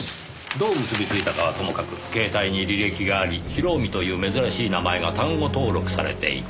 どう結びついたかはともかく携帯に履歴があり比呂臣という珍しい名前が単語登録されていた。